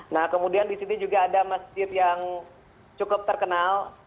nah kemudian di sini juga ada masjid yang cukup terkenal